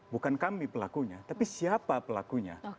bukan kami pelakunya tapi siapa pelakunya